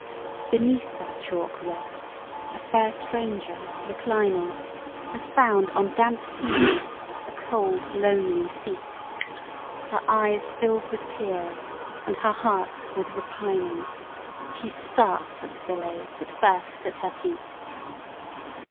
Beneath that chalk rock, a fair stranger reclining, Has found on damp sea weed a cold lonely seat; Her eyes fill'd with tears, and her heart with repining, She starts at the billows that burst at her feet.